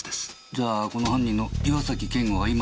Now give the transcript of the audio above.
じゃあこの犯人の岩崎健吾は今自由の身。